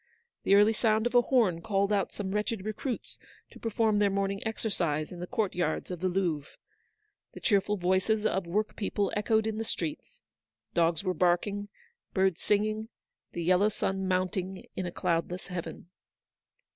The early sound of a horn called out some wretched recruits to perform their morning exercise in the court yards of the Louvre. The cheerful voices of workpeople echoed in the streets j dogs were barking, birds singing, the yellow sun mounting in a cloudless heaven.